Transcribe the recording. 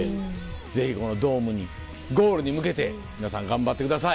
ぜひこのドームにゴールに向けて皆さん頑張ってください！